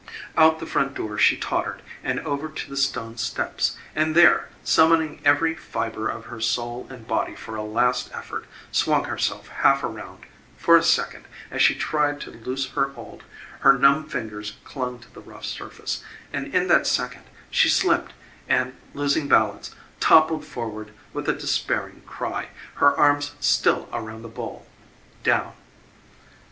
Out the front door she tottered and over to the stone steps, and there, summoning every fibre of her soul and body for a last effort, swung herself half around for a second, as she tried to loose her hold, her numb fingers clung to the rough surface, and in that second she slipped and, losing balance, toppled forward with a despairing cry, her arms still around the bowl ... down